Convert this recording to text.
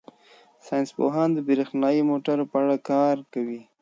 ساینس پوهان د بریښنايي موټرو په اړه کار کوي.